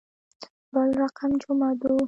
بل رقم جمعه دو.